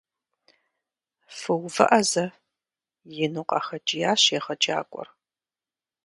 - Фыувыӏэ зэ! - ину къахэкӏиящ егъэджакӏуэр.